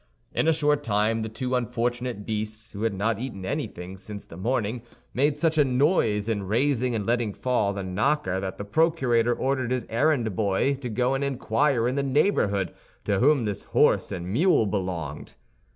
In a short time the two unfortunate beasts, who had not eaten anything since the morning, made such a noise in raising and letting fall the knocker that the procurator ordered his errand boy to go and inquire in the neighborhood to whom this horse and mule belonged.